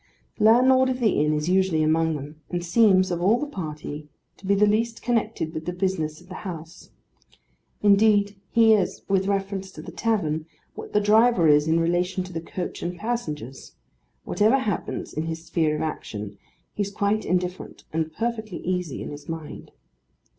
The landlord of the inn is usually among them, and seems, of all the party, to be the least connected with the business of the house. Indeed he is with reference to the tavern, what the driver is in relation to the coach and passengers: whatever happens in his sphere of action, he is quite indifferent, and perfectly easy in his mind.